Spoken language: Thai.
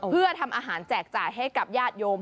เพื่อทำอาหารแจกจ่ายให้กับญาติโยม